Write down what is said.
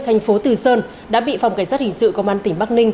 thành phố từ sơn đã bị phòng cảnh sát hình sự công an tỉnh bắc ninh